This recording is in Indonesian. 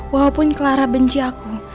walaupun clara benci aku